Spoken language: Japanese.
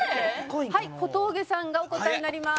はい小峠さんがお答えになります。